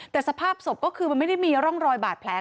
แสบภาพสบก็คือไม่ได้มีร่องรอยบาลแผล